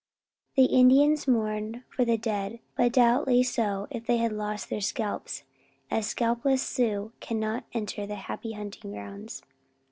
The Indians mourn for the dead but doubly so if they have lost their scalps, as scalpless Sioux cannot enter the Happy Hunting Grounds.